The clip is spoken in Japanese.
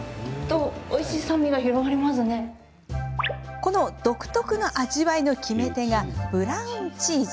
この独特の味わいの決め手がブラウンチーズ。